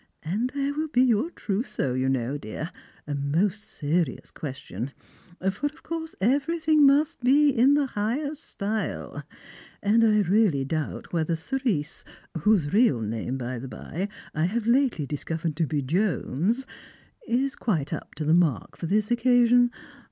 And there will be your trousseau, you know, dear, a most serious question ; for of course everything must be in the highest style, and I really doubt whether Cerise — whose real name, by the bye, I have lately discovered to be Jones — is quite up to the mark for this occasion.